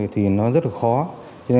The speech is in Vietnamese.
thì nó rất là khó